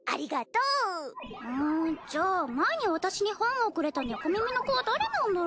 うんじゃあ前に私に本をくれた猫耳の子は誰なんだろ？